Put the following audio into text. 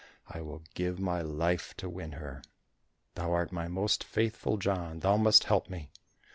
I will give my life to win her. Thou art my most Faithful John, thou must help me."